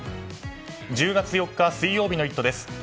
１０月４日、水曜日の「イット！」です。